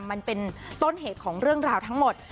มันเป็นต้นเหตุของเรื่องราวทั้งหมด